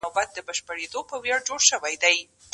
هلته به باغوان نه وي ته به یې او زه به یم